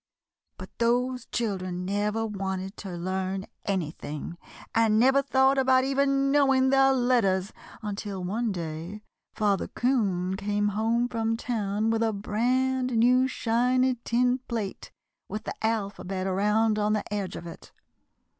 ] "But those children never wanted to learn anything, and never thought about even knowing their letters, until one day Father 'Coon came home from town with a brand new shiny tin plate with the alphabet around on the edge of it.